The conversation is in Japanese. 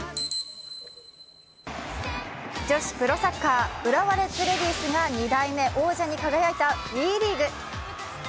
女子プロサッカー、浦和レッズレディースが２代目王者に輝いたＷＥリーグ。